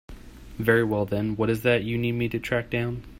Very well then, what is it that you need me to track down?